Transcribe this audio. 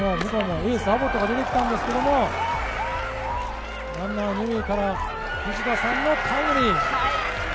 エース、アボットが出てきたんですがランナー２塁から藤田さんのタイムリー。